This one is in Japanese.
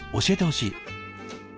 教えてほしい。